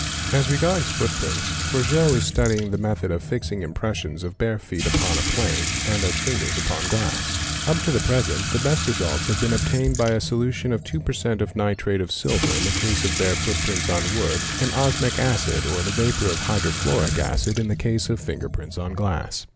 As regards footprints Forgeot is studying the method of fixing | im — pressions of bare feet upon a plank and of fingers upon glass. Up to ; the present the best results have been obtained by a solution of 2 % of » nitrate of silver in the case of bare footprints on wood and osmic acid or OBSERVATION OF FOOTPRINTS 501 the vapour of hydrofluoric acid in the case of fingerprints on glass.